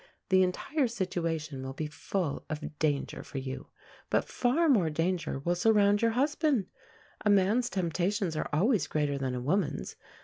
The entire situation will be full of danger for you. But far more danger will surround your husband. A man's temptations are always greater than a woman's.